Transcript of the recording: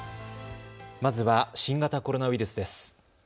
まずは新型コロナウイルスです。